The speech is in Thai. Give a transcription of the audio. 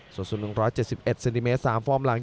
ส่วนสูง๑๗๑เซนติเมตร๓ฟอร์มหลัง